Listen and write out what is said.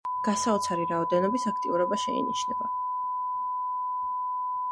გასაოცარი რაოდენობის აქტიურობა შეინიშნება.